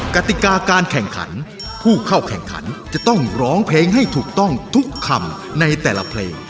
กติกาการแข่งขันผู้เข้าแข่งขันจะต้องร้องเพลงให้ถูกต้องทุกคำในแต่ละเพลง